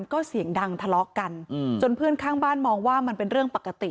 ก็เสียงดังทะเลาะกันจนเพื่อนข้างบ้านมองว่ามันเป็นเรื่องปกติ